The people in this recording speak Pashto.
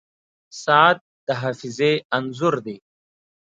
• ساعت د حافظې انځور دی.